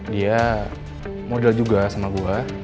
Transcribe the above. dia model juga sama gua